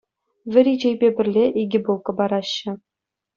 Вӗри чейпе пӗрле икӗ булка параҫҫӗ.